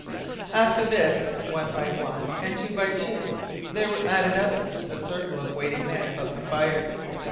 After this, one by one, and two by two, there were added others to the circle of waiting men about the fire.